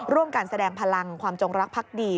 ร่วมกันแสดงพลังความจงรักพักดี